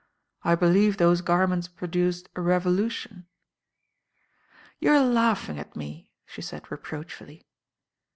"I believe tftose garments produced a revolution." ^ You are laughing at me," she sai^J reproachfully.